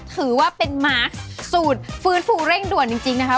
ถือว่าเป็นมาร์คสูตรฟื้นฟูเร่งด่วนจริงนะคะ